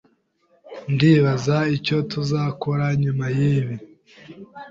Ndibaza icyo tuzakora nyuma yibi.